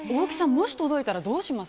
もし届いたらどうします？